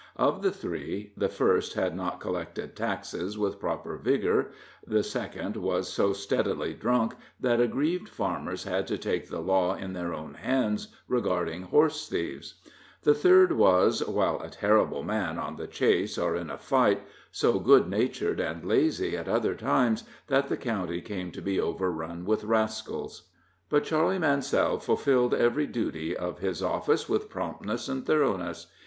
Of the three, the first had not collected taxes with proper vigor; the second was so steadily drunk that aggrieved farmers had to take the law in their own hands regarding horse thieves; the third was, while a terrible man on the chase or in a fight, so good natured and lazy at other times, that the county came to be overrun with rascals. But Charley Mansell fulfilled every duty of his office with promptness and thoroughness.